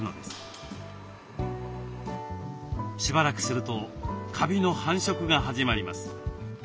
しばらくするとカビの繁殖が始まります。